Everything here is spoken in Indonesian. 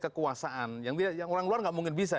kekuasaan yang orang luar nggak mungkin bisa